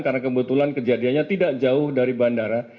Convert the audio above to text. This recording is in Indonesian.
karena kebetulan kejadiannya tidak jauh dari bandara